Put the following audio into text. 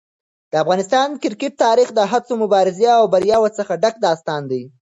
د افغانستان کرکټ تاریخ د هڅو، مبارزې او بریاوو څخه ډک داستان دی.